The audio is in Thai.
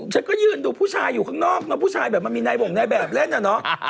ฉันก็ยืนดูผู้ชายอยู่ข้างนอกเนอะผู้ชายแบบมันมีนายบ่งนายแบบเล่นน่ะเนอะ